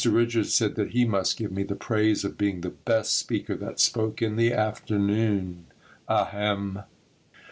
Richards said that he must give me the praise of being the best speaker that spoke in the afternoon. Ahem!